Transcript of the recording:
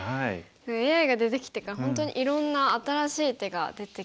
ＡＩが出てきてから本当にいろんな新しい手が出てきましたよね。